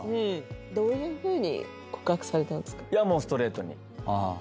どういうふうに告白されたんですか？